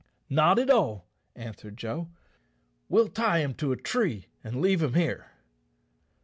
"Not at all," answered Joe; "we'll tie him to a tree and leave him here."